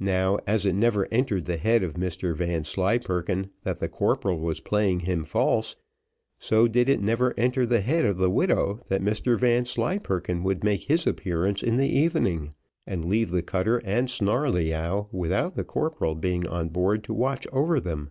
Now, as it never entered the head of Mr Vanslyperken that the corporal was playing him false, so did it never enter the idea of the widow, that Mr Vanslyperken would make his appearance in the evening, and leave the cutter and Snarleyyow, without the corporal being on board to watch over them.